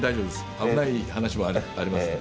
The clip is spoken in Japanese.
危ない話もありますんで。